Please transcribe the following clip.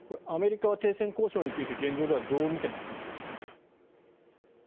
アメリカは停戦交渉について現状ではどう見ていますか。